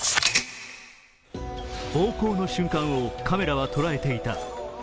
暴行の瞬間をカメラは捉えていた。